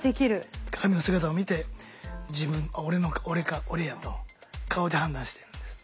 鏡の姿を見て「あっ俺か俺や」と顔で判断してるんです。